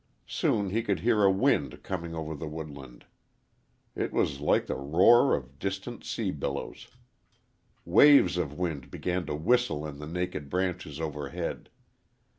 Soon he could hear a wind coming over the woodland. It was like the roar of distant sea billows. Waves of wind began to whistle in the naked branches overhead.